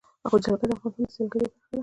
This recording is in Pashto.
جلګه د افغانستان د سیلګرۍ برخه ده.